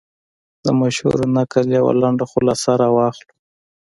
د مشهور نکل یوه لنډه خلاصه را واخلو.